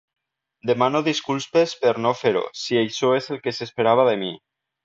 Demano disculpes per no fer-ho, si això és el que s'esperava de mi!